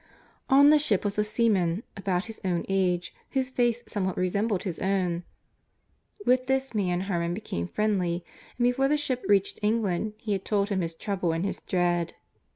On the ship was a seaman about his own age whose face somewhat resembled his own. With this man Harmon became friendly and before the ship reached England he had told him his trouble and his dread.